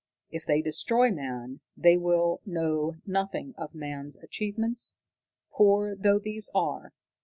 If they destroy man, they will know nothing of man's achievements, poor though these are.